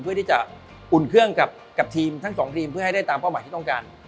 เพื่อที่จะอุ่นเครื่องกับทีมทั้งสองทีมเพื่อให้ได้ตามเป้าหมายที่ต้องการ